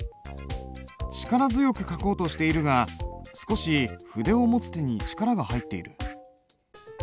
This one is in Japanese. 力強く書こうとしているが少し筆を持つ手に力が入っている。